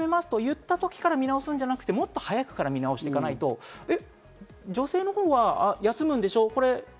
育休始めますと言った時から始めるんじゃなく、もっと早くから見直していかないと女性のほうは休むんでしょ？